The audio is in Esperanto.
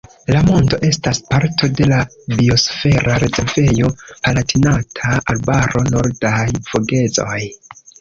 La monto estas parto de la Biosfera rezervejo Palatinata Arbaro-Nordaj Vogezoj.